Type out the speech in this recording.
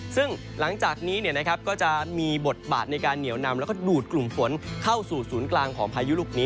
ซึ่งหลังจากนี้ก็จะมีบทบาทในการเหนียวนำแล้วก็ดูดกลุ่มฝนเข้าสู่ศูนย์กลางของพายุลูกนี้